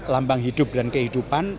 lambang hidup dan kehidupan